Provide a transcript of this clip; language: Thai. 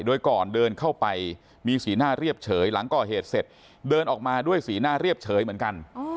โดยก่อนเดินเข้าไปมีสีหน้าเรียบเฉยหลังก่อเหตุเสร็จเดินออกมาด้วยสีหน้าเรียบเฉยเหมือนกัน